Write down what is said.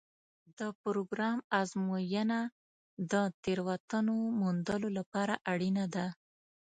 د پروګرام ازموینه د تېروتنو موندلو لپاره اړینه ده.